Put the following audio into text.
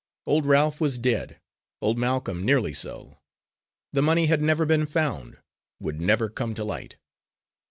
Old Ralph was dead, old Malcolm nearly so; the money had never been found, would never come to light.